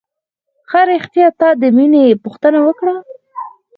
ښه رښتيا تا د مينې پوښتنه وکړه.